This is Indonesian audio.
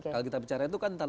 kalau kita bicara itu kan